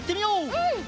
うん。